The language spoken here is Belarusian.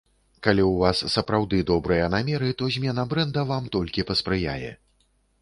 Калі ў вас сапраўды добрыя намеры, то змена брэнда вам толькі паспрыяе.